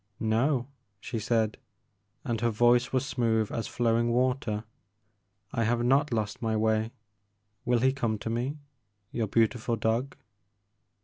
No,*' she said, — and her voice was smooth as flowing water, '* I have not lost my way. Will he come to me, your beautiful dog